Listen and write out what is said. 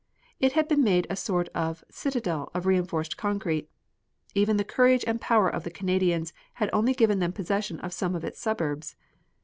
It had been made a sort of citadel of reinforced concrete. Even the courage and power of the Canadians had only given them possession of some of its suburbs.